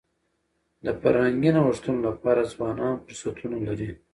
د فرهنګي نوښتونو لپاره ځوانان فرصتونه لري.